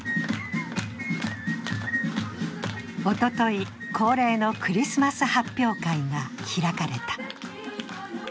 おととい、恒例のクリスマス発表会が開かれた。